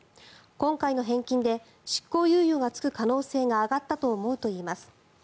今回の返金で執行猶予がつく可能性が上がったと思うといいます。